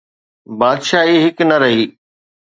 بادشاهي هڪ نه رهي.